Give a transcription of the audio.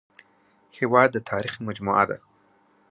هېواد د تاریخ مجموعه ده